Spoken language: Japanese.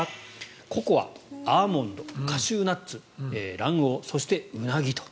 ココア、アーモンドカシューナッツ卵黄、そしてウナギと。